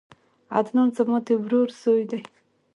عدنان زما د ورور زوی دی